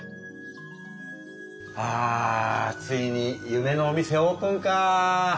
あついに夢のお店オープンかぁ。